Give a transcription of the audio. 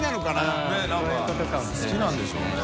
佑何か好きなんでしょうね。